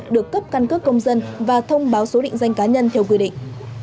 được cấp căn cước công dân và thông báo số định danh cá nhân theo quy định